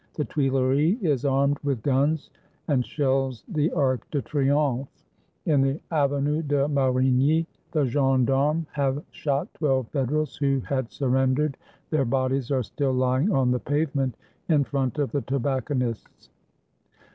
The Tuileries is armed with guns, and shells the Arc de Tri omphe. In the Avenue de Marigny the gendarmes have shot twelve Federals who had surrendered ; their bodies are still lying on the pavement in front of the tobacco nist's.